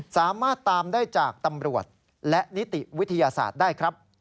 สามารถตามได้จากตำรวจและนิติวิทยาศาสตร์ได้ครับ